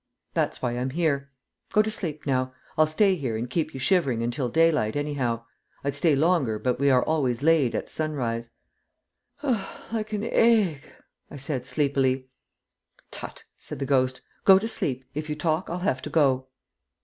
That's why I'm here. Go to sleep now. I'll stay here and keep you shivering until daylight anyhow. I'd stay longer, but we are always laid at sunrise." "Like an egg," I said, sleepily. "Tutt!" said the ghost. "Go to sleep, If you talk I'll have to go."